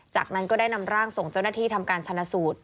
จากนั้นก็ได้นำร่างส่งเจ้าหน้าที่ทำการชนะสูตร